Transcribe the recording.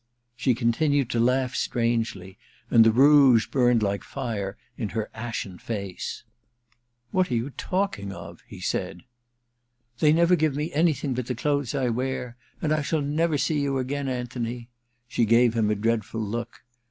* She continued to laugh strangely, and the rouge burned like fire in her ashen face. * What are you talking of }' he ssid. *They never give me anything but the clothes I wear. And I shall never see you again, Anthony !' She gave him a dreadfiil look.